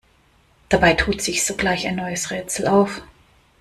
Dabei tut sich sogleich ein neues Rätsel auf.